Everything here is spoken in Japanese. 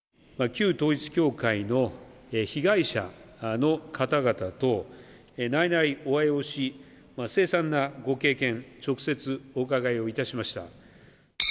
旧統一教会の被害者の方々と内々お会いをし、凄惨なご経験を直接お伺いをいたしました。